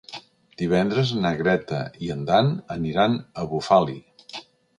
Divendres na Greta i en Dan aniran a Bufali.